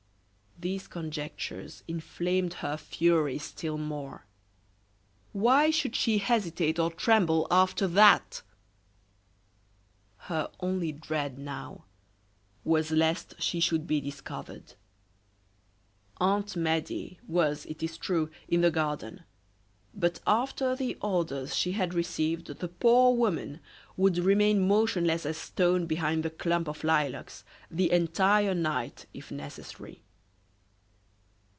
These conjectures inflamed her fury still more. Why should she hesitate or tremble after that? Her only dread now, was lest she should be discovered. Aunt Medea was, it is true, in the garden; but after the orders she had received the poor woman would remain motionless as stone behind the clump of lilacs, the entire night if necessary.